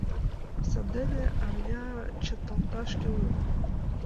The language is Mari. Сандене арня чыталташ кӱлын.